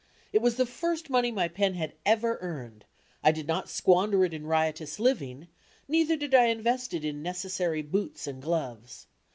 It was the first money my pen had ever earned; I did not squander it in riotous living, neither did I invest it in necessary boots and gloves.